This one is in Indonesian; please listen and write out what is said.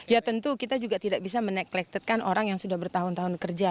ya tentu kita juga tidak bisa meneklektedkan orang yang sudah bertahun tahun kerja